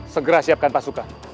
segera siapkan pasukan